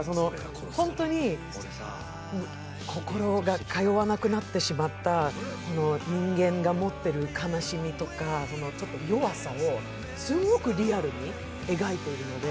本当に心が通わなくなってしまった人間が持ってる悲しみとか、弱さをすごくリアルに描いているので、